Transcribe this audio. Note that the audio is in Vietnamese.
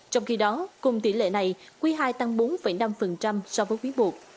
trong khi đó cùng tỷ lệ này quý hai tăng bốn năm so với quý một